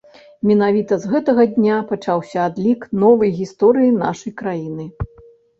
Менавіта з гэтага дня пачаўся адлік новай гісторыі нашай краіны.